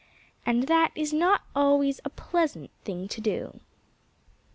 And that is not always a pleasant thing to do.